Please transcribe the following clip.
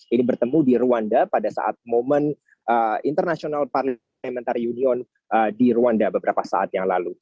ini bertemu di rwanda pada saat momen international parliamentary union di rwanda beberapa saat yang lalu